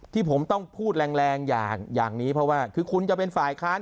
ที่ผมต้องพูดแรงอย่างนี้เพราะว่าคือคุณจะเป็นฝ่ายค้าน